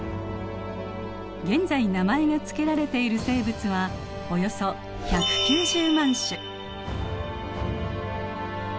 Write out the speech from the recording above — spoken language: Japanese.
現在名前が付けられている生物はおよそ１９０万種。